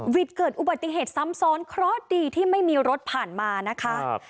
วิ่งเกิดอุบัติเหตุซ้ำซ้อนเวลาไม่มีภารก์ผ่านมานะคะ